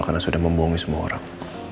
karena sudah membohongi semua orang